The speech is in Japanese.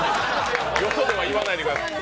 よそでは言わないでください。